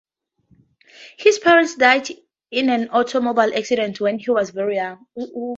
His parents died in an automobile accident when he was very young.